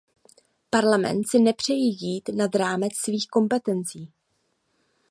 Parlament si nepřeje jít nad rámec svých kompetencí.